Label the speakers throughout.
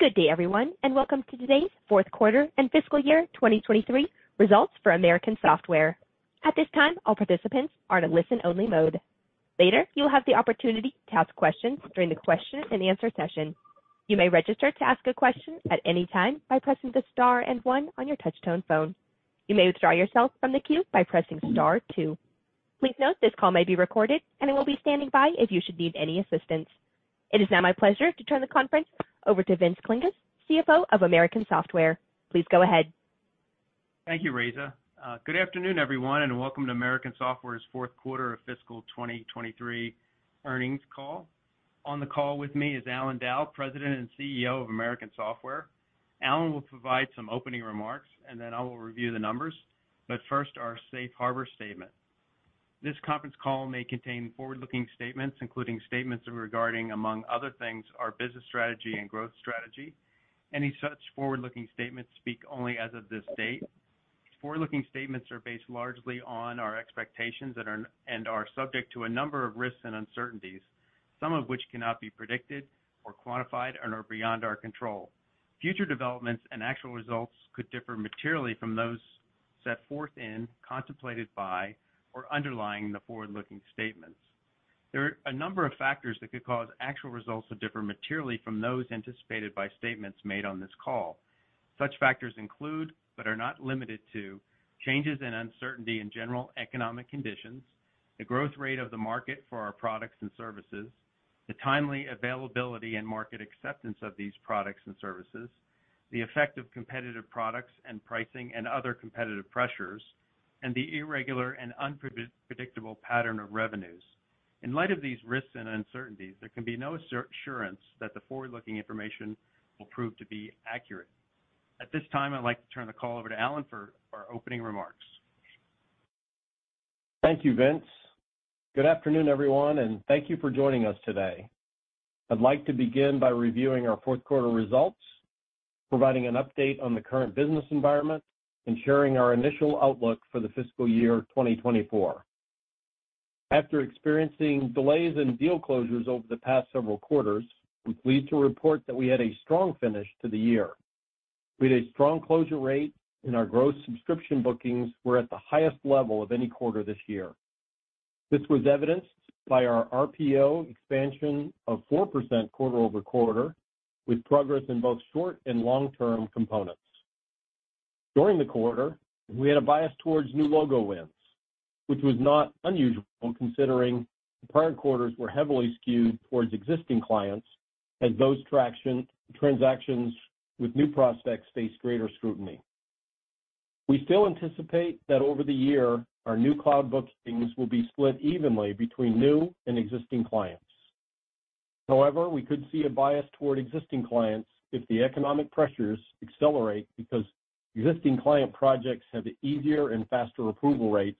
Speaker 1: Good day, everyone, and welcome to today's Q4 and fiscal year 2023 results for American Software. At this time, all participants are in a listen-only mode. Later, you will have the opportunity to ask questions during the question-and- answer session. You may register to ask a question at any time by pressing the star 1 on your touchtone phone. You may withdraw yourself from the queue by pressing star 2. Please note, this call may be recorded, and I will be standing by if you should need any assistance. It is now my pleasure to turn the conference over to Vince Klinges, CFO of American Software. Please go ahead.
Speaker 2: Thank you, Reva. Good afternoon, everyone, welcome to American Software's fourth quarter of fiscal 2023 earnings call. On the call with me is Allan Dow, President and CEO of American Software. Allan will provide some opening remarks, then I will review the numbers, first, our safe harbor statement. This conference call may contain forward-looking statements, including statements regarding, among other things, our business strategy and growth strategy. Any such forward-looking statements speak only as of this date. Forward-looking statements are based largely on our expectations and are subject to a number of risks and uncertainties, some of which cannot be predicted or quantified and are beyond our control. Future developments and actual results could differ materially from those set forth in, contemplated by, or underlying the forward-looking statements. There are a number of factors that could cause actual results to differ materially from those anticipated by statements made on this call. Such factors include, but are not limited to, changes in uncertainty in general economic conditions, the growth rate of the market for our products and services, the timely availability and market acceptance of these products and services, the effect of competitive products and pricing and other competitive pressures, and the irregular and unpredictable pattern of revenues. In light of these risks and uncertainties, there can be no assurance that the forward-looking information will prove to be accurate. At this time, I'd like to turn the call over to Allan for our opening remarks.
Speaker 3: Thank you, Vince. Good afternoon, everyone, thank you for joining us today. I'd like to begin by reviewing our fourth quarter results, providing an update on the current business environment, and sharing our initial outlook for the fiscal year 2024. After experiencing delays in deal closures over the past several quarters, we're pleased to report that we had a strong finish to the year. We had a strong closure rate, and our gross subscription bookings were at the highest level of any quarter this year. This was evidenced by our RPO expansion of 4% quarter-over-quarter, with progress in both short- and long-term components. During the quarter, we had a bias towards new logo wins, which was not unusual, considering the prior quarters were heavily skewed towards existing clients, as those traction transactions with new prospects faced greater scrutiny. We still anticipate that over the year, our new cloud bookings will be split evenly between new and existing clients. We could see a bias toward existing clients if the economic pressures accelerate, because existing client projects have easier and faster approval rates,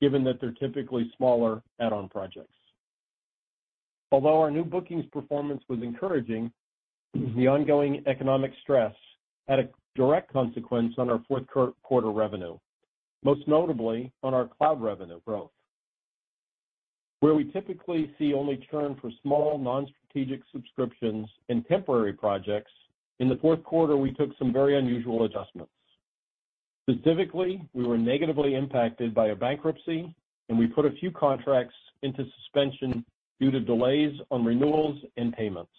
Speaker 3: given that they're typically smaller add-on projects. Our new bookings performance was encouraging, the ongoing economic stress had a direct consequence on our Q4 revenue, most notably on our cloud revenue growth. Where we typically see only churn for small, non-strategic subscriptions and temporary projects, in the Q4, we took some very unusual adjustments. We were negatively impacted by a bankruptcy, and we put a few contracts into suspension due to delays on renewals and payments.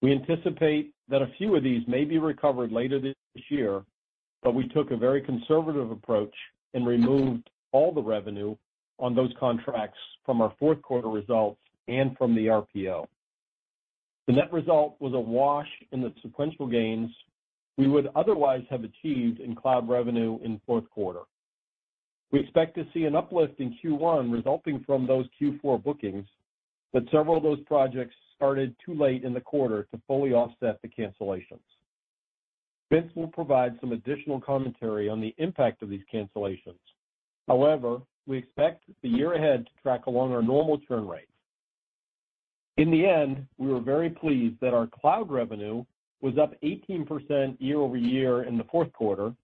Speaker 3: We anticipate that a few of these may be recovered later this year, we took a very conservative approach and removed all the revenue on those contracts from our Q4 results and from the RPO. The net result was a wash in the sequential gains we would otherwise have achieved in cloud revenue in Q4. We expect to see an uplift in Q1 resulting from those Q4 bookings, several of those projects started too late in the quarter to fully offset the cancellations. Vince will provide some additional commentary on the impact of these cancellations. We expect the year ahead to track along our normal churn rates. In the end, we were very pleased that our cloud revenue was up 18% year-over-year in the Q4, for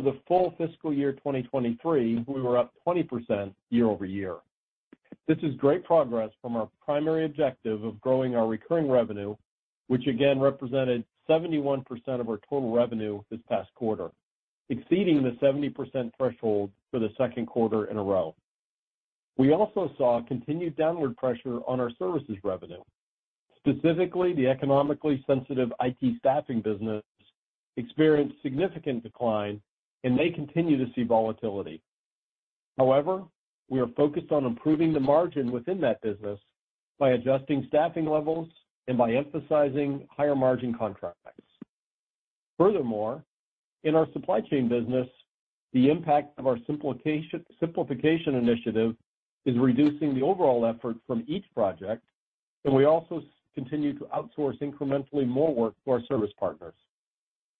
Speaker 3: the full fiscal year 2023, we were up 20% year-over-year. This is great progress from our primary objective of growing our recurring revenue, which, again, represented 71% of our total revenue this past quarter, exceeding the 70% threshold for the Q2 in a row. We also saw continued downward pressure on our services revenue. Specifically, the economically sensitive IT staffing business experienced significant decline and may continue to see volatility. We are focused on improving the margin within that business by adjusting staffing levels and by emphasizing higher-margin contracts. In our supply chain business, the impact of our simplification initiative is reducing the overall effort from each project, and we also continue to outsource incrementally more work to our service partners.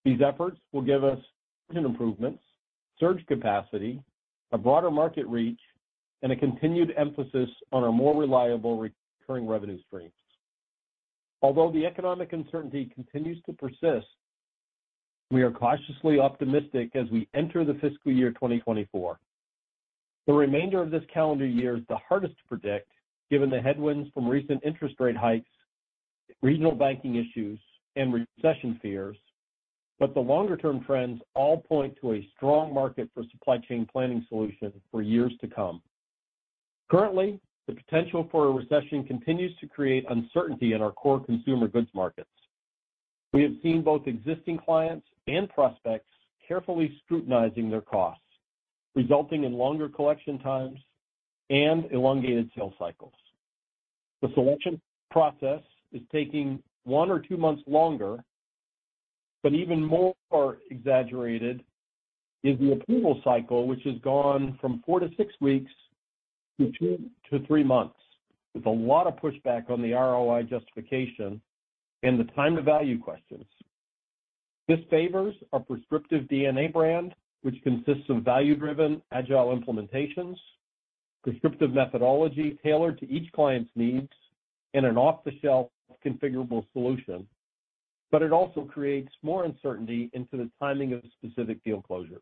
Speaker 3: These efforts will give us improvements, surge capacity, a broader market reach, and a continued emphasis on our more reliable recurring revenue streams. The economic uncertainty continues to persist. We are cautiously optimistic as we enter the fiscal year 2024. The remainder of this calendar year is the hardest to predict, given the headwinds from recent interest rate hikes, regional banking issues, and recession fears. The longer-term trends all point to a strong market for supply chain planning solutions for years to come. Currently, the potential for a recession continues to create uncertainty in our core consumer goods markets. We have seen both existing clients and prospects carefully scrutinizing their costs, resulting in longer collection times and elongated sales cycles. The selection process is taking one or two months longer, but even more exaggerated is the approval cycle, which has gone from 4-6 weeks to 2-3 months, with a lot of pushback on the ROI justification and the time to value questions. This favors our Prescriptive DNA brand, which consists of value-driven, agile implementations, prescriptive methodology tailored to each client's needs, and an off-the-shelf configurable solution. It also creates more uncertainty into the timing of specific deal closures.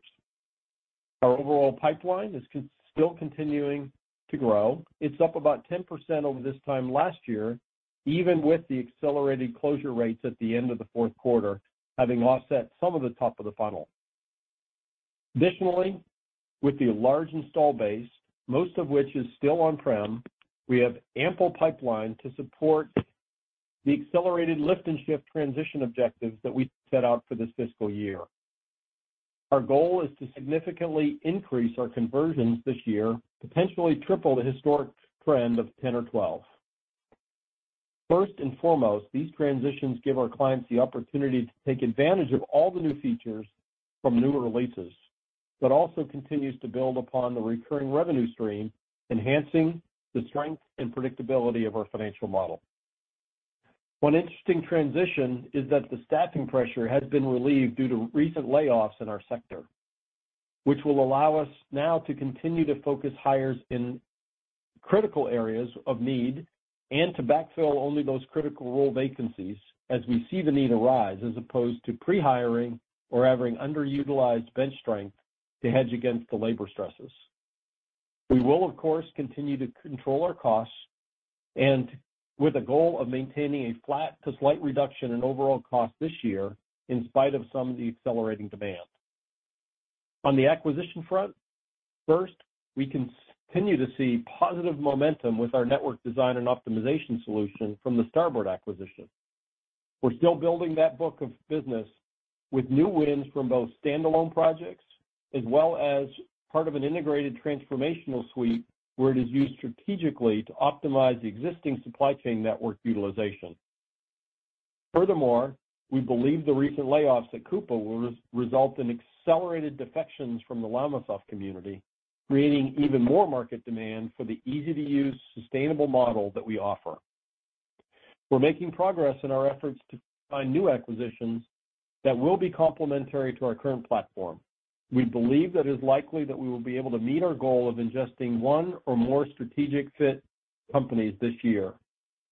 Speaker 3: Our overall pipeline is still continuing to grow. It's up about 10% over this time last year, even with the accelerated closure rates at the end of the Q4, having offset some of the top of the funnel. Additionally, with the large install base, most of which is still on-prem, we have ample pipeline to support the accelerated lift and shift transition objectives that we set out for this fiscal year. Our goal is to significantly increase our conversions this year, potentially triple the historic trend of 10 or 12. First and foremost, these transitions give our clients the opportunity to take advantage of all the new features from newer releases, also continues to build upon the recurring revenue stream, enhancing the strength and predictability of our financial model. One interesting transition is that the staffing pressure has been relieved due to recent layoffs in our sector, which will allow us now to continue to focus hires in critical areas of need and to backfill only those critical role vacancies as we see the need arise, as opposed to pre-hiring or having underutilized bench strength to hedge against the labor stresses. We will, of course, continue to control our costs, with a goal of maintaining a flat to slight reduction in overall cost this year, in spite of some of the accelerating demand. On the acquisition front, first, we continue to see positive momentum with our network design and optimization solution from the Starboard acquisition. We're still building that book of business with new wins from both standalone projects as well as part of an integrated transformational suite, where it is used strategically to optimize the existing supply chain network utilization. We believe the recent layoffs at Coupa will result in accelerated defections from the LLamasoft even more market demand for the easy-to-use, sustainable model that we offer. We're making progress in our efforts to find new acquisitions that will be complementary to our current platform. We believe that it is likely that we will be able to meet our goal of ingesting one or more strategic fit companies this year,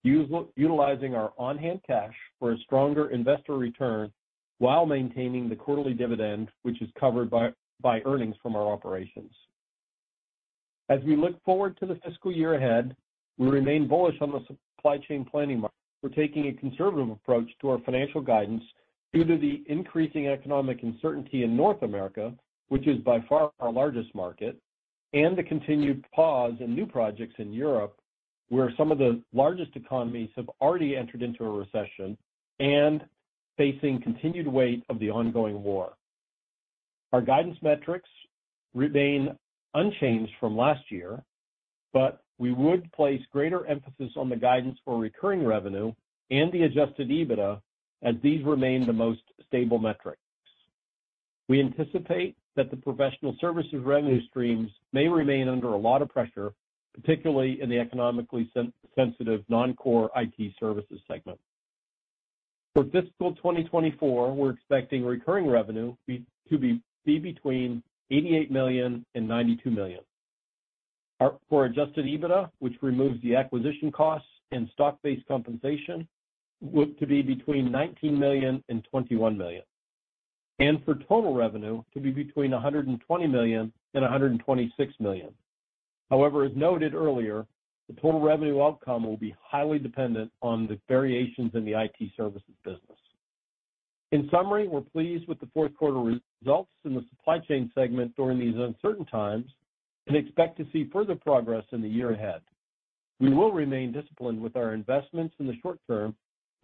Speaker 3: utilizing our on-hand cash for a stronger investor return while maintaining the quarterly dividend, which is covered by earnings from our operations. We look forward to the fiscal year ahead, we remain bullish on the supply chain planning market. We're taking a conservative approach to our financial guidance due to the increasing economic uncertainty in North America, which is by far our largest market, and the continued pause in new projects in Europe, where some of the largest economies have already entered into a recession and facing continued weight of the ongoing war. Our guidance metrics remain unchanged from last year, but we would place greater emphasis on the guidance for recurring revenue and the adjusted EBITDA, as these remain the most stable metrics. We anticipate that the professional services revenue streams may remain under a lot of pressure, particularly in the economically sensitive, non-core IT services segment. For fiscal 2024, we're expecting recurring revenue to be between $88 million and $92 million. For adjusted EBITDA, which removes the acquisition costs and stock-based compensation, look to be between $19 million and $21 million. For total revenue, to be between $120 million and $126 million. However, as noted earlier, the total revenue outcome will be highly dependent on the variations in the IT services business. In summary, we're pleased with the Q4 results in the supply chain segment during these uncertain times and expect to see further progress in the year ahead. We will remain disciplined with our investments in the short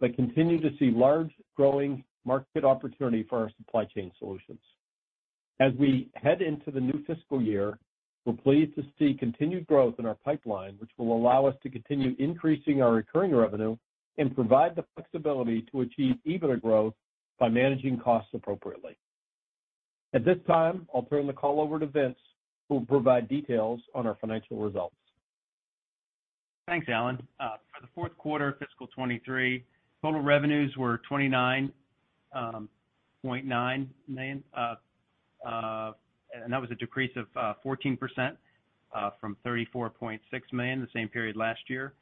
Speaker 3: term, but continue to see large, growing market opportunity for our supply chain solutions. As we head into the new fiscal year, we're pleased to see continued growth in our pipeline, which will allow us to continue increasing our recurring revenue and provide the flexibility to achieve EBITDA growth by managing costs appropriately. At this time, I'll turn the call over to Vince, who will provide details on our financial results.
Speaker 2: Thanks, Allan. For the Q4 of fiscal 2023, total revenues were $29.9 million and that was a decrease of 14% from $34.6 million the same period last year.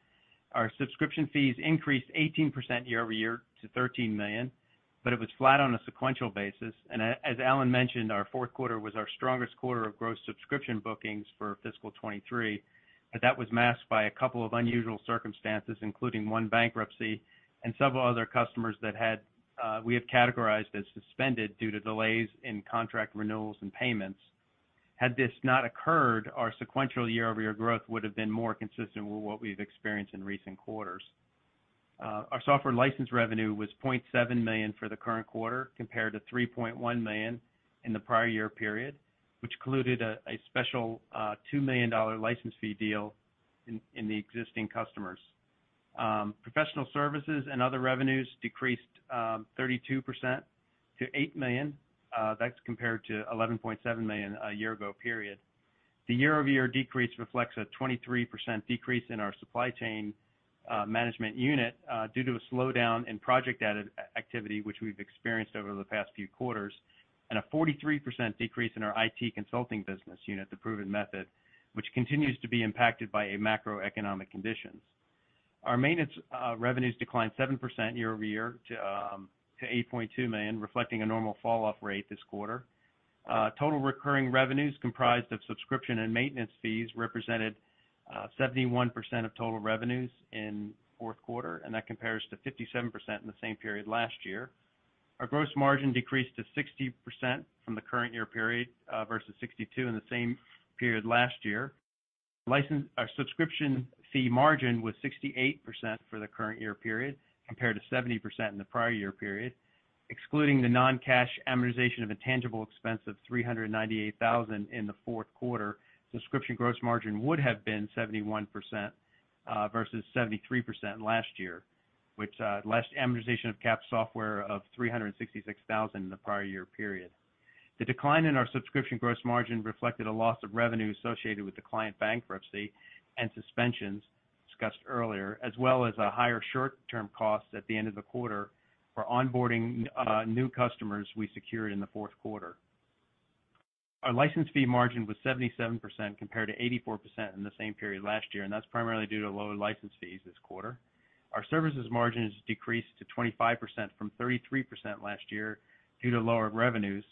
Speaker 2: Our subscription fees increased 18% year-over-year to $13 million, but it was flat on a sequential basis. As Allan mentioned, our Q4 was our strongest quarter of gross subscription bookings for fiscal 2023, but that was masked by a couple of unusual circumstances, including one bankruptcy and several other customers that had, we have categorized as suspended due to delays in contract renewals and payments. Had this not occurred, our sequential year-over-year growth would have been more consistent with what we've experienced in recent quarters. Our software license revenue was $0.7 million for the current quarter, compared to $3.1 million in the prior year period, which included a special $2 million license fee deal in the existing customers. Professional services and other revenues decreased 32% to $8 million. That's compared to $11.7 million a year ago period. The year-over-year decrease reflects a 23% decrease in our supply chain management unit, due to a slowdown in project activity, which we've experienced over the past few quarters, and a 43% decrease in our IT consulting business unit, The Proven Method, which continues to be impacted by macroeconomic conditions. Our maintenance revenues declined 7% year-over-year to $8.2 million, reflecting a normal falloff rate this quarter. Total recurring revenues, comprised of subscription and maintenance fees, represented 71% of total revenues in Q4. That compares to 57% in the same period last year. Our gross margin decreased to 60% from the current year period versus 62% in the same period last year. Our subscription fee margin was 68% for the current year period, compared to 70% in the prior year period. Excluding the non-cash amortization of a tangible expense of $398 thousand in the Q4, subscription gross margin would have been 71% versus 73% last year, which last amortization of capitalized software of $366 thousand in the prior year period. The decline in our subscription gross margin reflected a loss of revenue associated with the client bankruptcy and suspensions discussed earlier, as well as a higher short-term cost at the end of the quarter for onboarding new customers we secured in the Q4. Our license fee margin was 77%, compared to 84% in the same period last year. That's primarily due to lower license fees this quarter. Our services margin has decreased to 25% from 33% last year due to lower revenues.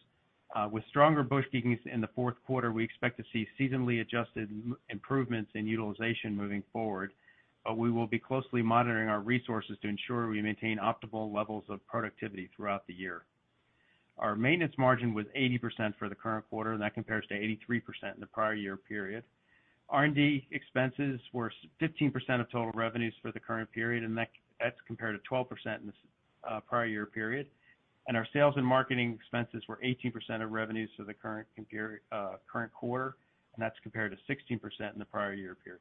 Speaker 2: With stronger bookings in the Q4, we expect to see seasonally adjusted improvements in utilization moving forward, but we will be closely monitoring our resources to ensure we maintain optimal levels of productivity throughout the year. Our maintenance margin was 80% for the current quarter. That compares to 83% in the prior year period. R&D expenses were 15% of total revenues for the current period, and that's compared to 12% in the prior year period. Our sales and marketing expenses were 18% of revenues for the current quarter, and that's compared to 16% in the prior year period.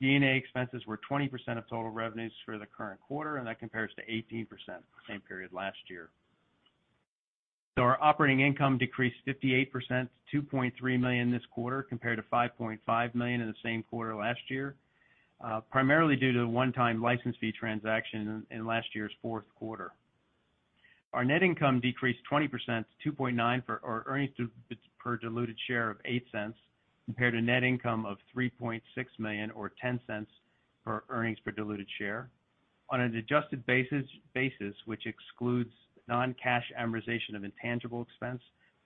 Speaker 2: G&A expenses were 20% of total revenues for the current quarter, and that compares to 18% the same period last year. Our operating income decreased 58% to $2.3 million this quarter, compared to $5.5 million in the same quarter last year, primarily due to a one-time license fee transaction in last year's Q4. Our net income decreased 20% to $2.9 million, or earnings per diluted share of $0.08, compared to net income of $3.6 million or $0.10 per earnings per diluted share. On an adjusted basis, which excludes non-cash amortization of intangible expense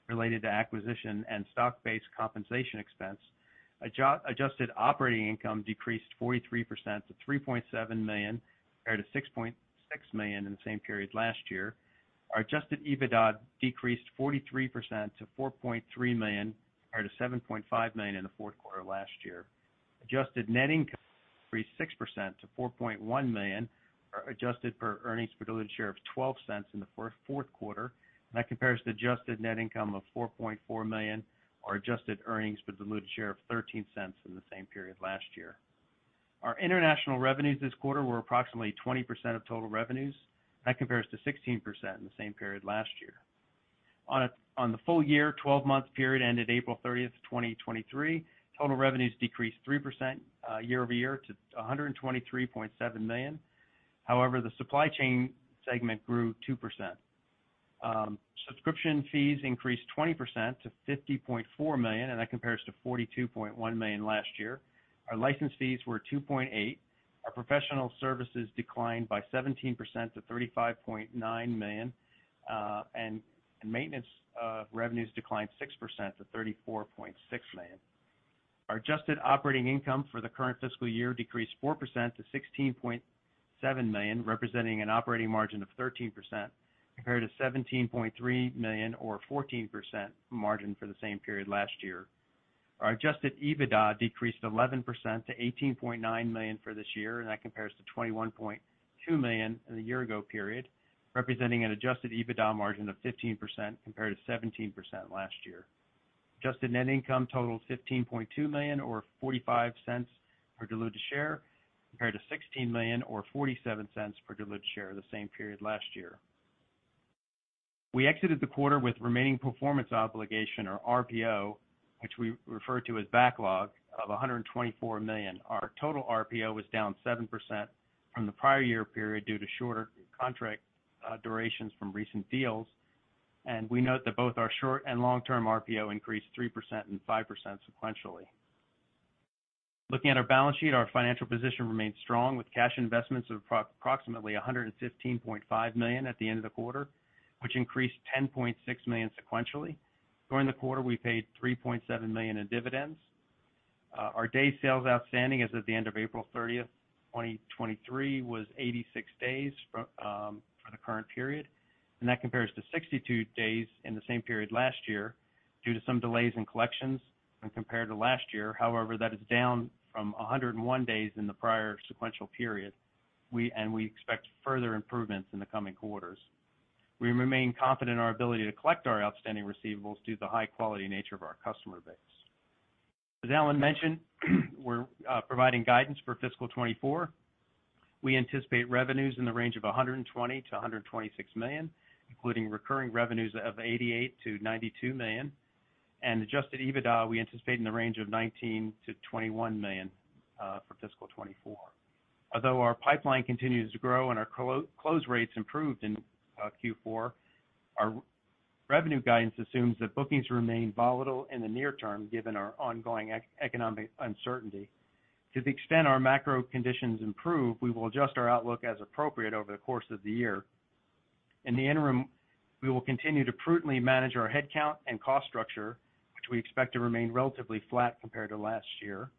Speaker 2: related to acquisition and stock-based compensation expense, adjusted operating income decreased 43% to $3.7 million, compared to $6.6 million in the same period last year. Our adjusted EBITDA decreased 43% to $4.3 million, compared to $7.5 million in the Q4 last year. Adjusted net income increased 6% to $4.1 million, or adjusted per earnings per diluted share of $0.12 in the Q4. That compares to adjusted net income of $4.4 million or adjusted earnings per diluted share of $0.13 in the same period last year. Our international revenues this quarter were approximately 20% of total revenues. That compares to 16% in the same period last year. On the full year, 12-month period ended April 30th, 2023, total revenues decreased 3% year-over-year to $123.7 million. However, the supply chain segment grew 2%. Subscription fees increased 20% to $50.4 million, and that compares to $42.1 million last year. Our license fees were $2.8 million. Our professional services declined by 17% to $35.9 million, and maintenance revenues declined 6% to $34.6 million. Our adjusted operating income for the current fiscal year decreased 4% to $16.7 million, representing an operating margin of 13%, compared to $17.3 million or 14% margin for the same period last year. Our adjusted EBITDA decreased 11% to $18.9 million for this year, that compares to $21.2 million in the year ago period, representing an adjusted EBITDA margin of 15% compared to 17% last year. Adjusted net income totaled $15.2 million or $0.45 per diluted share, compared to $16 million or $0.47 per diluted share the same period last year. We exited the quarter with remaining performance obligation, or RPO, which we refer to as backlog of $124 million. Our total RPO was down 7% from the prior year period due to shorter contract durations from recent deals. We note that both our short and long-term RPO increased 3% and 5% sequentially. Looking at our balance sheet, our financial position remains strong, with cash investments of approximately $115.5 million at the end of the quarter, which increased $10.6 million sequentially. During the quarter, we paid $3.7 million in dividends. Our day sales outstanding as at the end of April 30, 2023, was 86 days for the current period, and that compares to 62 days in the same period last year, due to some delays in collections when compared to last year. That is down from 101 days in the prior sequential period. We expect further improvements in the coming quarters. We remain confident in our ability to collect our outstanding receivables due to the high-quality nature of our customer base. As Allan mentioned, we're providing guidance for fiscal 2024. We anticipate revenues in the range of $120 million-$126 million, including recurring revenues of $88 million-$92 million, and adjusted EBITDA, we anticipate in the range of $19 million-$21 million for fiscal 2024. Although our pipeline continues to grow and our close rates improved in Q4, our revenue guidance assumes that bookings remain volatile in the near term, given our ongoing economic uncertainty. To the extent our macro conditions improve, we will adjust our outlook as appropriate over the course of the year. In the interim, we will continue to prudently manage our headcount and cost structure, which we expect to remain relatively flat compared to last year.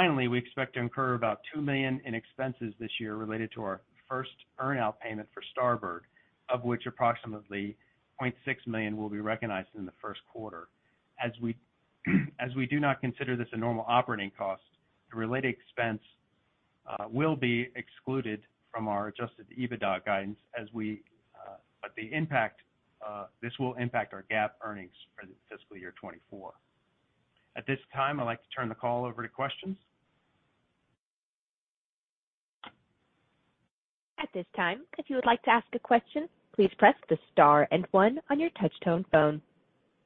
Speaker 2: We expect to incur about $2 million in expenses this year related to our first earn-out payment for Starboard, of which approximately $0.6 million will be recognized in the Q1. As we do not consider this a normal operating cost, the related expense will be excluded from our adjusted EBITDA guidance as we, but the impact, this will impact our GAAP earnings for the fiscal year 2024. At this time, I'd like to turn the call over to questions.
Speaker 1: At this time, if you would like to ask a question, please press the star and 1 on your touchtone phone.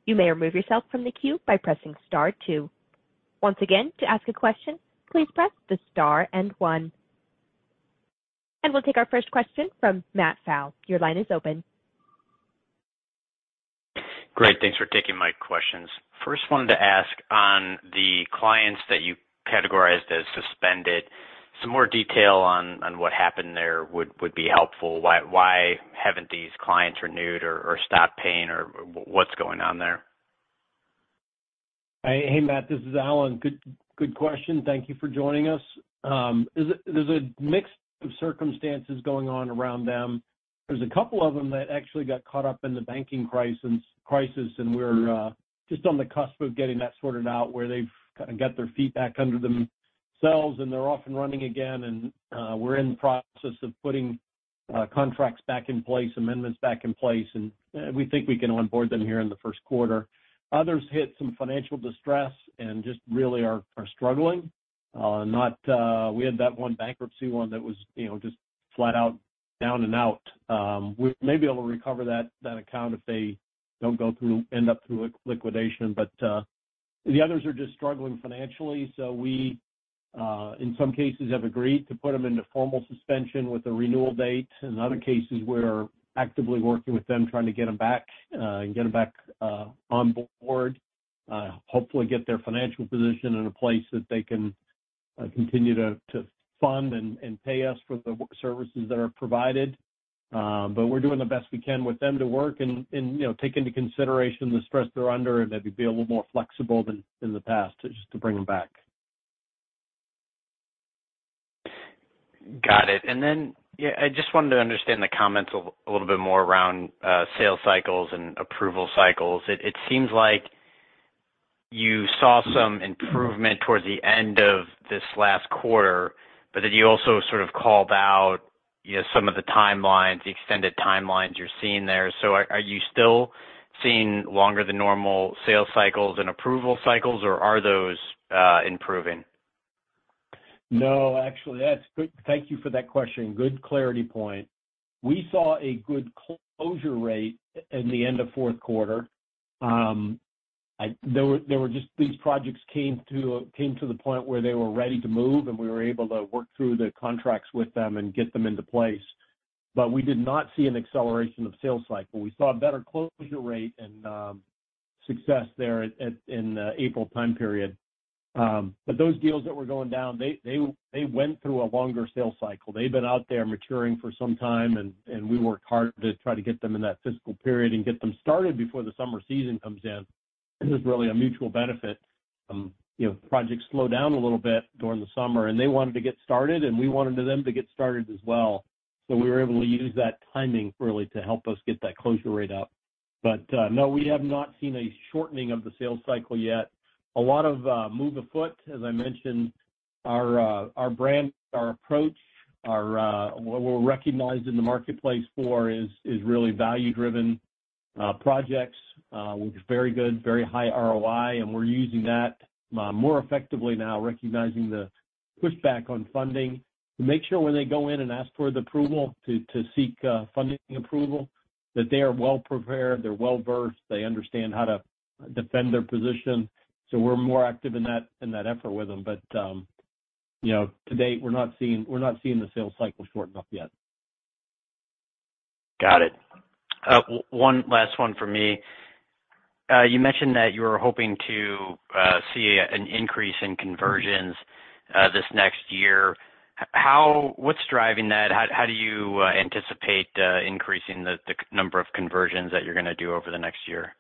Speaker 1: You may remove yourself from the queue by pressing star 2. Once again, to ask a question, please press the star and 1. We'll take our first question from Matt Pfau. Your line is open.
Speaker 4: Great, thanks for taking my questions. First, wanted to ask on the clients that you categorized as suspended, some more detail on what happened there would be helpful. Why haven't these clients renewed or stopped paying, or what's going on there?
Speaker 3: Hey, Matt, this is Allan. Good, good question. Thank you for joining us. There's a, there's a mix of circumstances going on around them. There's a couple of them that actually got caught up in the banking crisis, and we're just on the cusp of getting that sorted out, where they've got their feet back under themselves, and they're off and running again. We're in the process of putting contracts back in place, amendments back in place, and we think we can onboard them here in Q1. Others hit some financial distress and just really are struggling. Not, we had that one bankruptcy, one that was, you know, just flat out, down and out. We may be able to recover that account if they don't end up through liquidation, but the others are just struggling financially. We, in some cases, have agreed to put them into formal suspension with a renewal date. In other cases, we're actively working with them, trying to get them back and get them back on board. Hopefully get their financial position in a place that they can continue to fund and pay us for the services that are provided. We're doing the best we can with them to work and, you know, take into consideration the stress they're under and maybe be a little more flexible than in the past to bring them back.
Speaker 4: Got it. Yeah, I just wanted to understand the comments a little bit more around sales cycles and approval cycles. It seems like you saw some improvement towards the end of this last quarter. You also sort of called out, you know, some of the timelines, the extended timelines you're seeing there. Are you still seeing longer than normal sales cycles and approval cycles, or are those improving?
Speaker 3: No, actually, that's good. Thank you for that question. Good clarity point. We saw a good closure rate at the end of Q4. There were just these projects came to the point where they were ready to move, and we were able to work through the contracts with them and get them into place. We did not see an acceleration of sales cycle. We saw a better closure rate and success there in the April time period. Those deals that were going down, they went through a longer sales cycle. They've been out there maturing for some time, and we worked hard to try to get them in that fiscal period and get them started before the summer season comes in. This is really a mutual benefit. You know, projects slow down a little bit during the summer, and they wanted to get started, and we wanted them to get started as well. We were able to use that timing really to help us get that closure rate up. No, we have not seen a shortening of the sales cycle yet. A lot of move afoot. As I mentioned, our brand, our approach, our what we're recognized in the marketplace for is really value-driven projects with very good, very high ROI, and we're using that more effectively now, recognizing the pushback on funding. To make sure when they go in and ask for the approval to seek funding approval, that they are well prepared, they're well-versed, they understand how to defend their position. We're more active in that, in that effort with them. You know, to date, we're not seeing, we're not seeing the sales cycle shorten up yet.
Speaker 4: Got it. One last one for me. You mentioned that you were hoping to see an increase in conversions this next year. What's driving that? How do you anticipate increasing the number of conversions that you're going to do over the next year?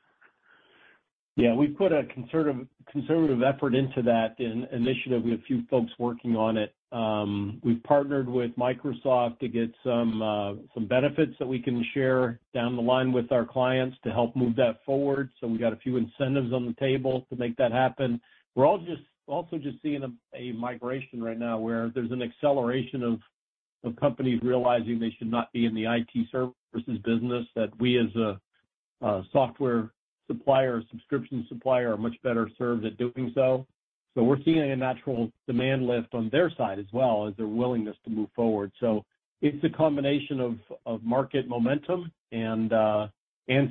Speaker 3: We've put a conservative effort into that initiative. We have a few folks working on it. We've partnered with Microsoft to get some benefits that we can share down the line with our clients to help move that forward. We've got a few incentives on the table to make that happen. We're also just seeing a migration right now, where there's an acceleration of companies realizing they should not be in the IT services business, that we, as a software supplier, a subscription supplier, are much better served at doing so. We're seeing a natural demand lift on their side as well as their willingness to move forward. It's a combination of market momentum and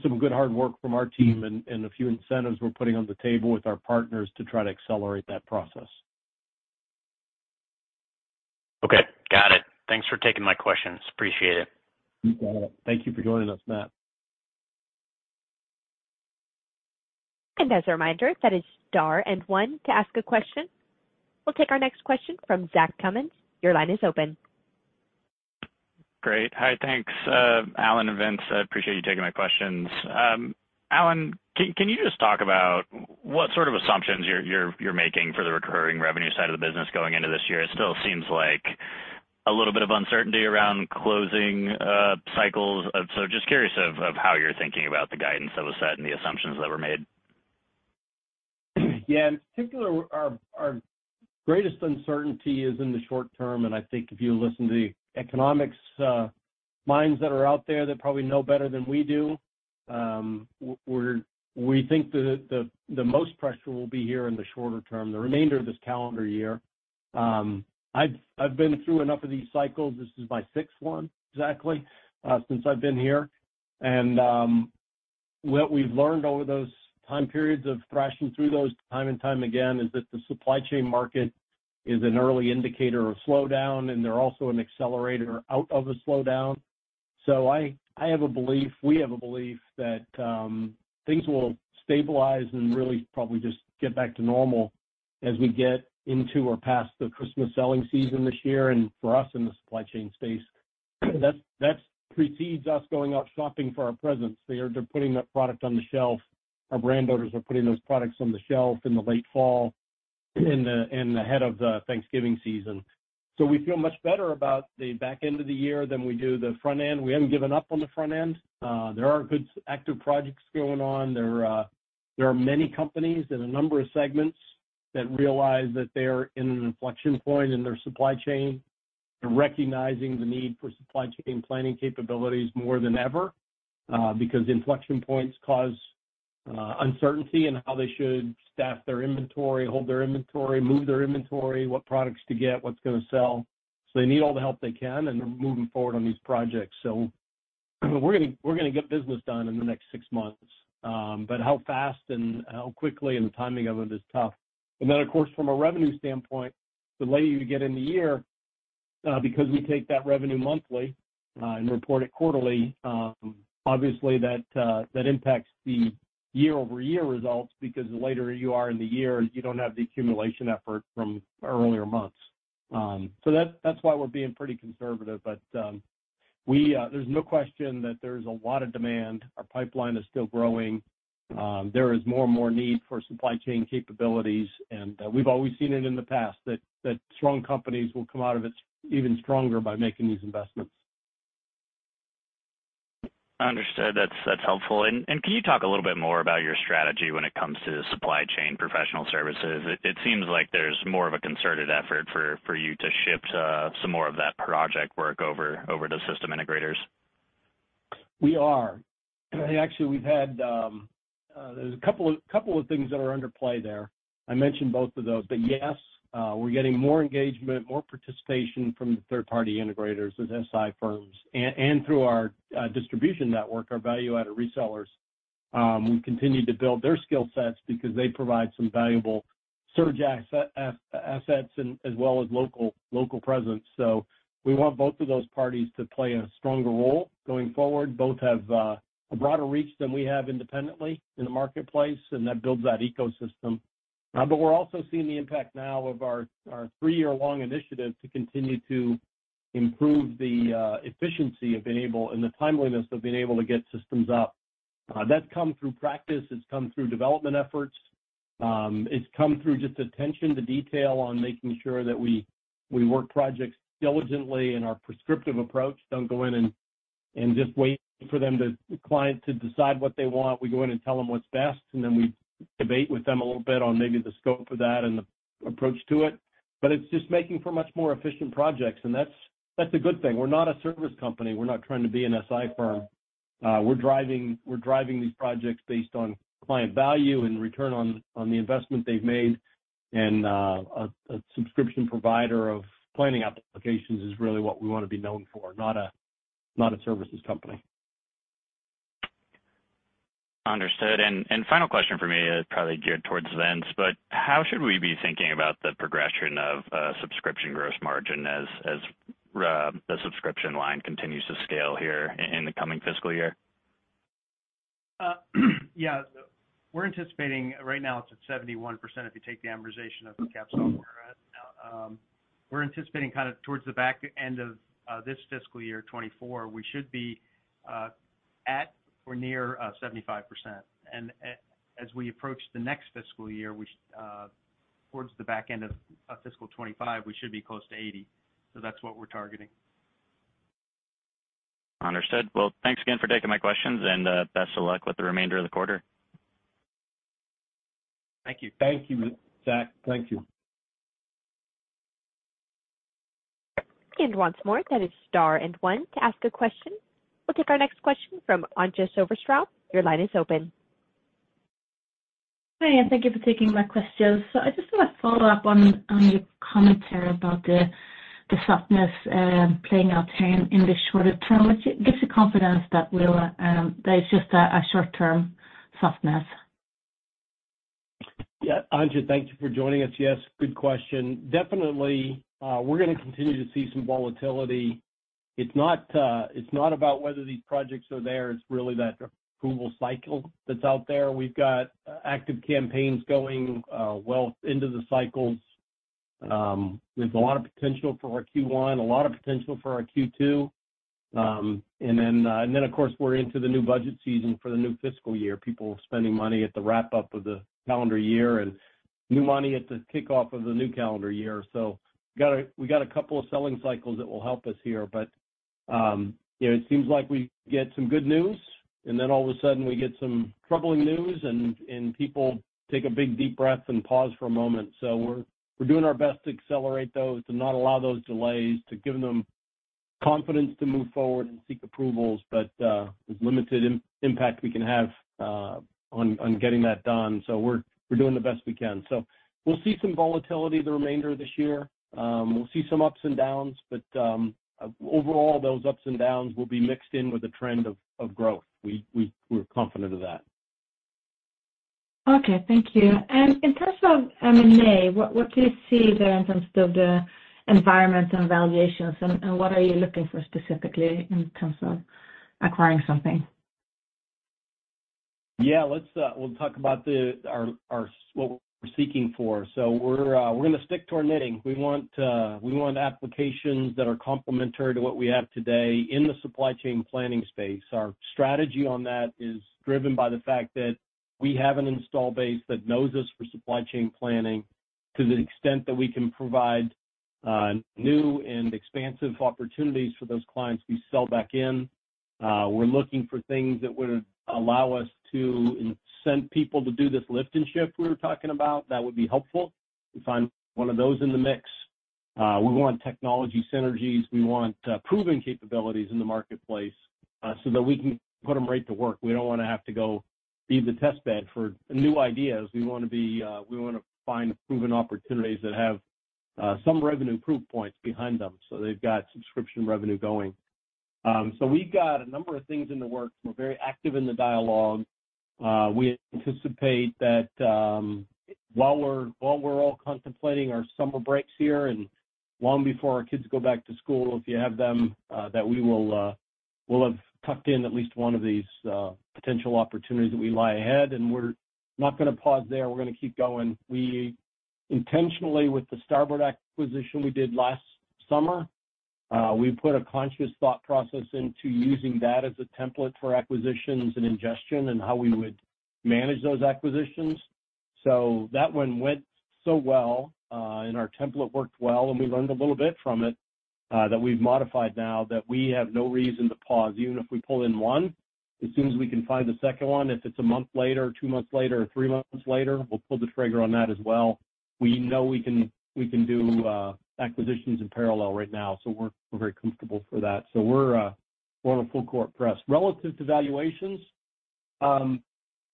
Speaker 3: some good hard work from our team and a few incentives we're putting on the table with our partners to try to accelerate that process.
Speaker 4: Okay, got it. Thanks for taking my questions. Appreciate it.
Speaker 3: You got it. Thank you for joining us, Matt.
Speaker 1: As a reminder, that is star and one to ask a question. We'll take our next question from Zach Cummins. Your line is open.
Speaker 5: Great. Hi, thanks, Allan and Vince. I appreciate you taking my questions. Allan, can you just talk about what sort of assumptions you're making for the recurring revenue side of the business going into this year? It still seems like a little bit of uncertainty around closing cycles. Just curious of how you're thinking about the guidance that was set and the assumptions that were made.
Speaker 3: In particular, our greatest uncertainty is in the short term. I think if you listen to the economics minds that are out there, they probably know better than we do. We think that the most pressure will be here in the shorter term, the remainder of this calendar year. I've been through enough of these cycles. This is my sixth one, exactly, since I've been here. What we've learned over those time periods of thrashing through those time and time again, is that the supply chain market is an early indicator of slowdown. They're also an accelerator out of a slowdown. I have a belief, we have a belief that things will stabilize and really probably just get back to normal as we get into or past the Christmas selling season this year. For us, in the supply chain space, that precedes us going out shopping for our presents. They're putting that product on the shelf. Our brand owners are putting those products on the shelf in the late fall, in the ahead of the Thanksgiving season. We feel much better about the back end of the year than we do the front end. We haven't given up on the front end. There are good active projects going on. There are many companies in a number of segments that realize that they're in an inflection point in their supply chain. They're recognizing the need for supply chain planning capabilities more than ever, because inflection points cause uncertainty in how they should staff their inventory, hold their inventory, move their inventory, what products to get, what's going to sell. They need all the help they can, and they're moving forward on these projects. We're going to get business done in the next six months. How fast and how quickly, and the timing of it is tough. Of course, from a revenue standpoint, the later you get in the year, because we take that revenue monthly, and report it quarterly, obviously, that impacts the year-over-year results, because the later you are in the year, you don't have the accumulation effort from earlier months. That's why we're being pretty conservative. There's no question that there's a lot of demand. Our pipeline is still growing. There is more and more need for supply chain capabilities, we've always seen it in the past, that strong companies will come out of it even stronger by making these investments.
Speaker 5: Understood. That's helpful. Can you talk a little bit more about your strategy when it comes to supply chain professional services? It seems like there's more of a concerted effort for you to shift some more of that project work over to system integrators.
Speaker 3: We are. Actually, we've had there's a couple of things that are under play there. I mentioned both of those. Yes, we're getting more engagement, more participation from the third-party integrators, those SI firms and through our distribution network, our value-added resellers. We've continued to build their skill sets because they provide some valuable surge assets and as well as local presence. We want both of those parties to play a stronger role going forward. Both have a broader reach than we have independently in the marketplace, and that builds that ecosystem. We're also seeing the impact now of our three-year-long initiative to continue to improve the efficiency of being able and the timeliness of being able to get systems up. That's come through practice, it's come through development efforts, it's come through just attention to detail on making sure that we work projects diligently in our prescriptive approach. Don't go in and just wait for them, the client to decide what they want. We go in and tell them what's best, and then we debate with them a little bit on maybe the scope of that and the approach to it. It's just making for much more efficient projects, and that's a good thing. We're not a service company. We're not trying to be an SI firm. We're driving these projects based on client value and return on the investment they've made. A subscription provider of planning applications is really what we want to be known for, not a, not a services company.
Speaker 5: Understood. Final question for me is probably geared towards Vince. How should we be thinking about the progression of subscription gross margin as the subscription line continues to scale here in the coming fiscal year?
Speaker 2: Yeah, we're anticipating right now it's at 71% if you take the amortization of the capitalized software. We're anticipating kind of towards the back end of this fiscal year, 2024, we should be at or near 75%. As we approach the next fiscal year, we towards the back end of fiscal 2025, we should be close to 80%. That's what we're targeting.
Speaker 5: Understood. Well, thanks again for taking my questions, and best of luck with the remainder of the quarter.
Speaker 2: Thank you.
Speaker 3: Thank you, Zach. Thank you.
Speaker 1: Once more, that is star and one to ask a question. We'll take our next question from Anja Soderstrom. Your line is open.
Speaker 6: Hi, and thank you for taking my questions. I just want to follow up on your commentary about the softness, playing out here in the shorter term, which gives you confidence that we'll, that it's just a short-term softness.
Speaker 3: Yeah, Anja, thank you for joining us. Yes, good question. Definitely, we're going to continue to see some volatility. It's not about whether these projects are there, it's really that approval cycle that's out there. We've got active campaigns going, well into the cycles. There's a lot of potential for our Q1, a lot of potential for our Q2. Of course, we're into the new budget season for the new fiscal year. People spending money at the wrap-up of the calendar year and new money at the kickoff of the new calendar year. We got a couple of selling cycles that will help us here, but, you know, it seems like we get some good news, and then all of a sudden, we get some troubling news, and people take a big, deep breath and pause for a moment. We're doing our best to accelerate those, to not allow those delays, to give them confidence to move forward and seek approvals, but there's limited impact we can have on getting that done. We're doing the best we can. We'll see some volatility the remainder of this year. We'll see some ups and downs, but overall, those ups and downs will be mixed in with a trend of growth. We're confident of that.
Speaker 6: Okay, thank you. In terms of M&A, what do you see there in terms of the environment and valuations? What are you looking for specifically in terms of acquiring something?
Speaker 3: Yeah, let's, we'll talk about the, our what we're seeking for. We're going to stick to our knitting. We want applications that are complementary to what we have today in the supply chain planning space. Our strategy on that is driven by the fact that we have an install base that knows us for supply chain planning. To the extent that we can provide new and expansive opportunities for those clients, we sell back in. We're looking for things that would allow us to incent people to do this lift and shift we were talking about. That would be helpful if I'm one of those in the mix. We want technology synergies. We want proven capabilities in the marketplace, so that we can put them right to work. We don't want to have to go be the test bed for new ideas. We want to be, we want to find proven opportunities that have some revenue proof points behind them, they've got subscription revenue going. We've got a number of things in the works. We're very active in the dialogue. We anticipate that, while we're all contemplating our summer breaks here and long before our kids go back to school, if you have them, that we will, we'll have tucked in at least one of these potential opportunities that we lie ahead, we're not going to pause there. We're going to keep going. We intentionally, with the Starboard acquisition we did last summer, we put a conscious thought process into using that as a template for acquisitions and ingestion and how we would manage those acquisitions. That one went so well, and our template worked well, and we learned a little bit from it, that we've modified now, that we have no reason to pause. Even if we pull in one, as soon as we can find the second one, if it's a month later, two months later, or three months later, we'll pull the trigger on that as well. We know we can do acquisitions in parallel right now, so we're very comfortable for that. We're on a full court press. Relative to valuations,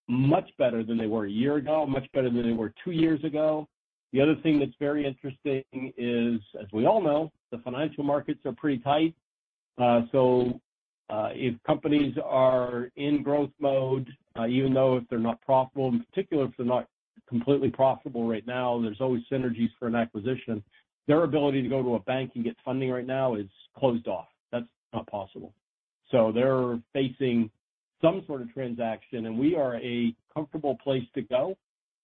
Speaker 3: much better than they were a year ago, much better than they were two years ago. The other thing that's very interesting is, as we all know, the financial markets are pretty tight. If companies are in growth mode, even though if they're not profitable, in particular, if they're not completely profitable right now, there's always synergies for an acquisition. Their ability to go to a bank and get funding right now is closed off. That's not possible. They're facing some sort of transaction, and we are a comfortable place to go.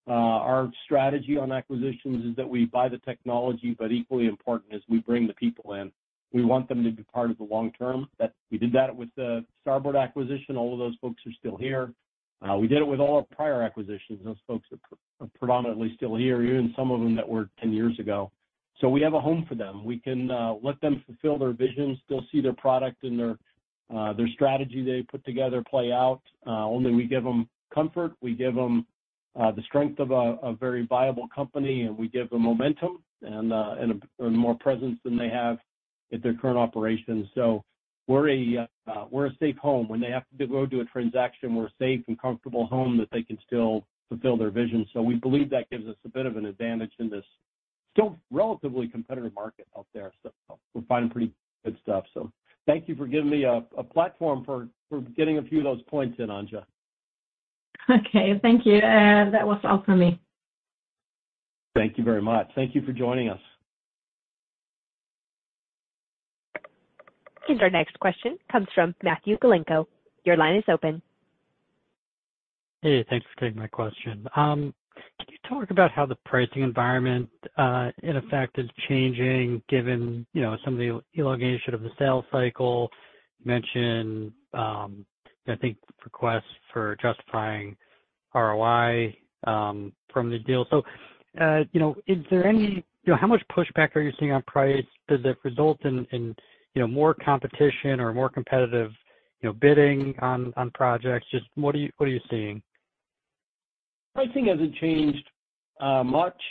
Speaker 3: Our strategy on acquisitions is that we buy the technology, but equally important is we bring the people in. We want them to be part of the long term. We did that with the Starboard acquisition. All of those folks are still here. We did it with all our prior acquisitions. Those folks are predominantly still here, even some of them that were 10 years ago. We have a home for them. We can let them fulfill their visions. They'll see their product and their strategy they put together play out. Only we give them comfort, we give them the strength of a very viable company, and we give them momentum and more presence than they have at their current operations. We're a safe home. When they have to go do a transaction, we're a safe and comfortable home that they can still fulfill their vision. We believe that gives us a bit of an advantage in this still relatively competitive market out there. We're finding pretty good stuff. Thank you for giving me a platform for getting a few of those points in, Anja.
Speaker 6: Okay, thank you. That was all for me.
Speaker 3: Thank you very much. Thank you for joining us.
Speaker 1: Our next question comes from Matthew Galinko. Your line is open.
Speaker 7: Hey, thanks for taking my question. Can you talk about how the pricing environment in effect is changing, given, you know, some of the elongation of the sales cycle? You mentioned, I think requests for justifying ROI from the deal. You know, is there any... how much pushback are you seeing on price? Does it result in, you know, more competition or more competitive, you know, bidding on projects? Just what are you seeing?
Speaker 3: Pricing hasn't changed much.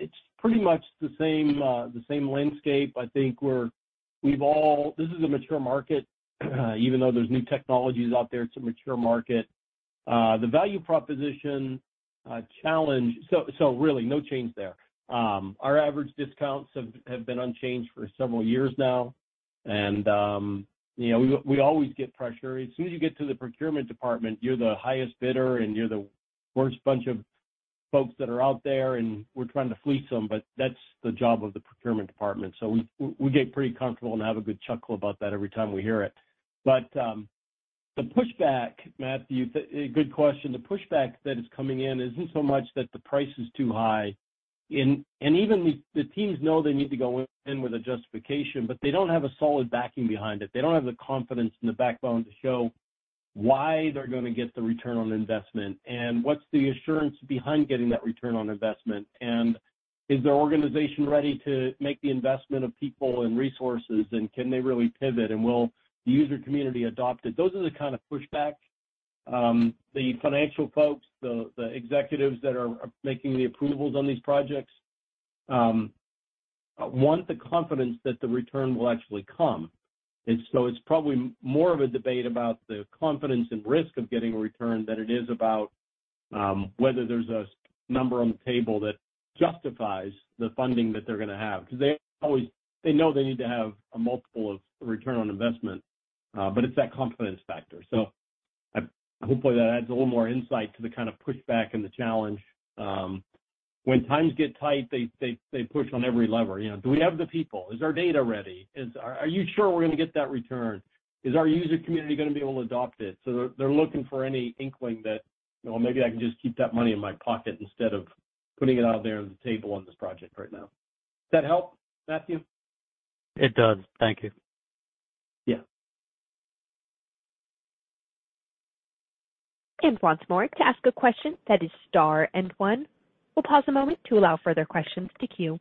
Speaker 3: It's pretty much the same, the same landscape. I think this is a mature market. Even though there's new technologies out there, it's a mature market. The value proposition, challenge. Really no change there. Our average discounts have been unchanged for several years now. You know, we always get pressure. As soon as you get to the procurement department, you're the highest bidder, and you're the worst bunch of folks that are out there, and we're trying to fleece them, but that's the job of the procurement department. We get pretty comfortable and have a good chuckle about that every time we hear it. The pushback, Matthew, good question. The pushback that is coming in isn't so much that the price is too high. Even the teams know they need to go in with a justification, but they don't have a solid backing behind it. They don't have the confidence and the backbone to show why they're gonna get the return on investment, and what's the assurance behind getting that return on investment, and is their organization ready to make the investment of people and resources, and can they really pivot, and will the user community adopt it? Those are the kind of pushback. The financial folks, the executives that are making the approvals on these projects, want the confidence that the return will actually come. It's probably more of a debate about the confidence and risk of getting a return than it is about whether there's a number on the table that justifies the funding that they're gonna have. Because they know they need to have a multiple of return on investment, but it's that confidence factor. Hopefully, that adds a little more insight to the kind of pushback and the challenge. When times get tight, they push on every lever. You know, do we have the people? Is our data ready? Are you sure we're going to get that return? Is our user community going to be able to adopt it? They're looking for any inkling that, well, maybe I can just keep that money in my pocket instead of putting it out there on the table on this project right now. Does that help, Matthew?
Speaker 7: It does. Thank you.
Speaker 3: Yeah.
Speaker 1: Once more, to ask a question that is star and one. We'll pause a moment to allow further questions to queue.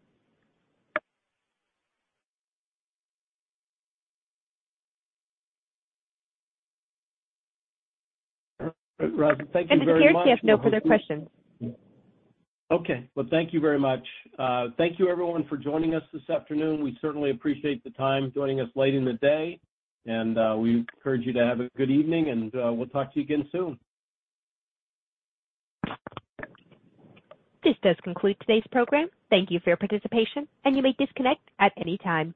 Speaker 3: Thank you very much.
Speaker 1: It appears we have no further questions.
Speaker 3: Okay. Well, thank you very much. Thank you everyone for joining us this afternoon. We certainly appreciate the time joining us late in the day, and we encourage you to have a good evening, and we'll talk to you again soon.
Speaker 1: This does conclude today's program. Thank you for your participation, and you may disconnect at any time.